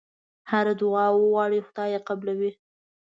هره دعا وغواړې خدای یې قبلوي.